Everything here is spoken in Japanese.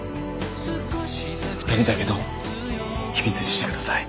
二人だけの秘密にしてください。